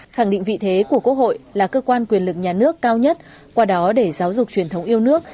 khẳng định vị thế của quốc hội là cơ quan quyền lực nhà nước cao nhất qua đó để giáo dục truyền thống yêu nước